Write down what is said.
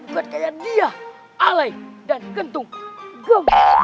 sad senza dia alaik dan gentung go